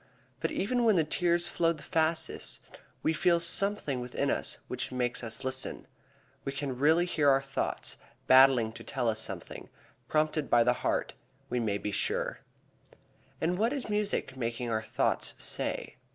But even when the tears flow the fastest we feel something within us which makes us listen. We can really hear our thoughts battling to tell us something, prompted by the heart, we may be sure. And what is music making our thoughts say?